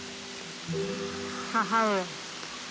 母上。